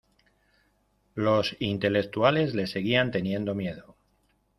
Los intelectuales le seguían teniendo miedo.